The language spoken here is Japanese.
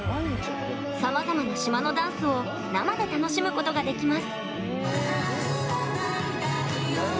さまざまな島のダンスを生で楽しむことができます。